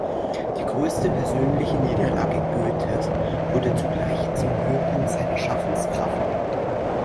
Diese größte persönliche Niederlage Goethes wurde zugleich zum Höhepunkt seiner Schaffenskraft.